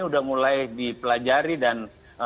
sudah mulai dipelajari dan